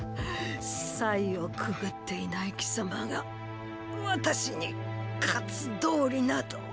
祭をくぐっていない貴様が私に勝つ道理など！